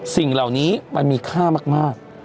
สิ่งเหล่านี้มันมีค่ามาก